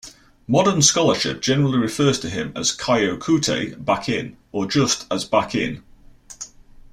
Modern scholarship generally refers to him as Kyokutei Bakin, or just as Bakin.